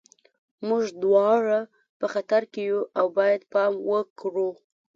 موږ دواړه په خطر کې یو او باید پام وکړو